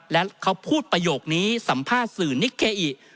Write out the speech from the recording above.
และเขาพูดประโยคนี้สัมภาษณ์สื่อนิเกอิ